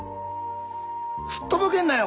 すっとぼけんなよ。